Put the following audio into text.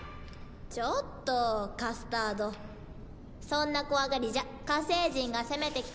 ちょっとカスタードそんな怖がりじゃ火星人が攻めてきたらどうするの？